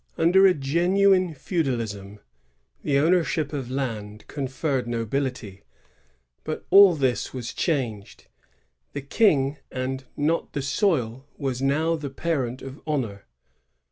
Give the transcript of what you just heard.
^ Under a genuine feudalism, the ownership of land conferred nobility; but all this was changed. The King and not the soil was now the parent of honor.